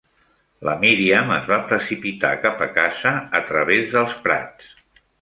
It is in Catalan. La Míriam es va precipitar cap a casa a través dels prats.